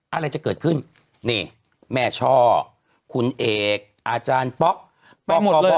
อะไรจะเกิดขึ้นนี่แม่ช่อคุณเอกอาจารย์ป๊อกป๊อก